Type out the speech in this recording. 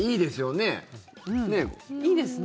いいですね。